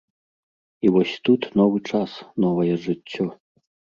І вось тут новы час, новае жыццё.